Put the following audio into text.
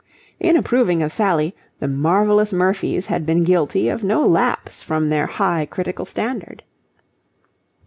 In approving of Sally, the Marvellous Murphys had been guilty of no lapse from their high critical standard.